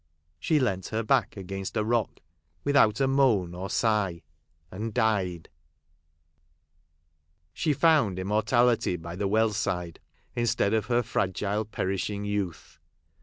She leant her back against a rock, without a moan or sigh, and died ! She found immortality by the well side, instead of her fragile perishing youth.